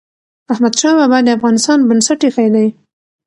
احمد شاه بابا د افغانستان بنسټ ايښی دی.